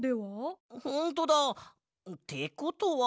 ほんとだ！ってことは。